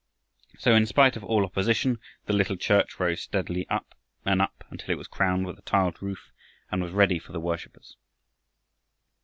So, in spite of all opposition, the little church rose steadily up and up until it was crowned with a tiled roof and was ready for the worshipers.